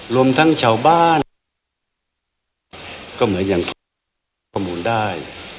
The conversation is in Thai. รวมทั้งชาวบ้านก็เหมือนยังประมูลได้